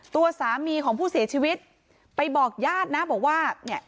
ตัวสามีของผู้เสียชีวิตไปบอกญาตินะบอกว่าเนี่ย